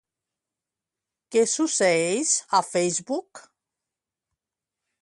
Què succeeix a Facebook?